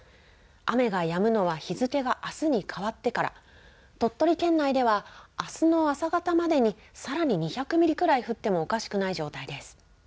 雨がやむのは日付があすに変わってから、鳥取県内ではあすの朝方までにさらに２００ミリくらい降ってもおかしくない状態です。